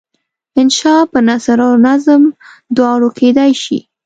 انشأ په نثر او نظم دواړو کیدای شي.